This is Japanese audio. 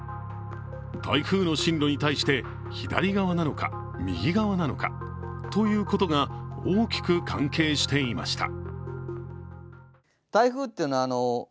台風の進路に対して左側なのか右側なのかということが大きく関係していました。